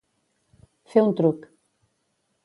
Fer un truc.